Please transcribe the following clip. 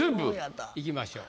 いきましょう。